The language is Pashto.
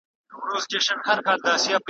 په هر جنګ کي مي بری دی اسمانونو آزمېیلی `